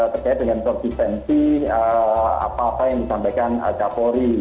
terkait dengan konsistensi apa apa yang disampaikan kapolri